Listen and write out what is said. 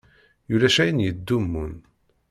Ulac ayen yettdumun.